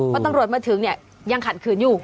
พอตำรวจมาถึงเนี่ยยังขัดขืนอยู่